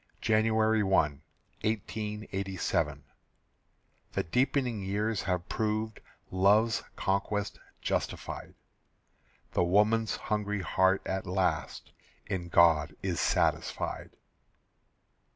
January 1, 1887. The deepening years have proved Love's conquest justified. The woman's hungry heart at last In God is satisfied.